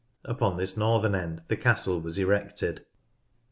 Upon this northern end the castle was erected.